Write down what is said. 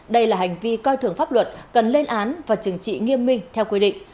đây là hành vi coi thường pháp luật cần lên án và chừng trị nghiêm minh theo quy định